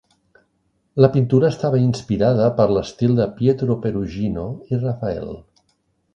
La pintura estava inspirada per l'estil de Pietro Perugino i Rafael.